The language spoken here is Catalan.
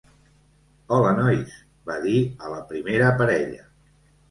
Hola, nois —va dir a la primera parella.